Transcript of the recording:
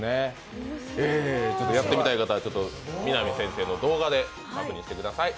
やってみたい方は南先生の動画で確認してください。